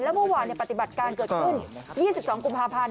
เมื่อวานปฏิบัติการเกิดขึ้น๒๒กุมภาพันธ์